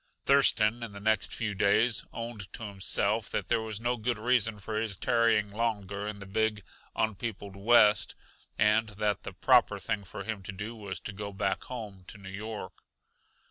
Thurston, in the next few days, owned to himself that there was no good reason for his tarrying longer in the big, un peopled West, and that the proper thing for him to do was go back home to New York.